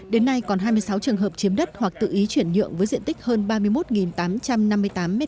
đến nay còn hai mươi sáu trường hợp chiếm đất hoặc tự ý chuyển nhượng với diện tích hơn ba mươi một tám trăm năm mươi tám m hai